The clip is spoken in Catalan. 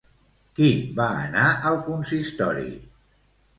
Qui va anar al Consistori?